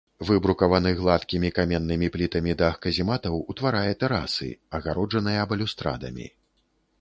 Выбрукаваны гладкімі каменнымі плітамі дах казематаў ўтварае тэрасы, агароджаныя балюстрадамі.